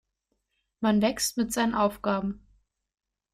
Man wächst mit seinen Aufgaben.